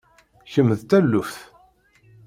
Kemm d taluft.